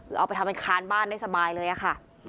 คือเอาไปทำเป็นคานบ้านได้สบายเลยอะค่ะ